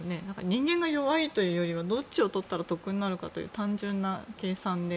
人間が弱いというよりはどっちを取ったら得になるという単純な計算で。